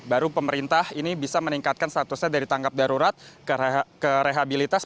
baru pemerintah ini bisa meningkatkan statusnya dari tanggap darurat ke rehabilitas